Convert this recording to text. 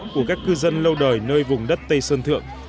của các cư dân lâu đời nơi vùng đất tây sơn thượng